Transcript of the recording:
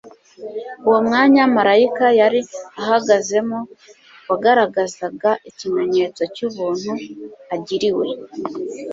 uwo mwanya marayika yari ahagazemo wagaragazaga ikimenyetso cy'ubuntu agiriwe